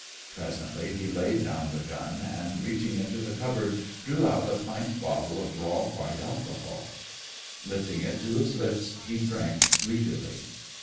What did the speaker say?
Presently he laid down the gun, and reaching into the cupboard, drew out a pint bottle of raw white alcohol. Lifting it to his lips, he drank greedily.